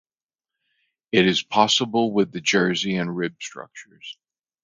It is possible with the jersey and rib structures.